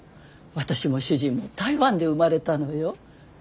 私も主人も台湾で生まれたのよ。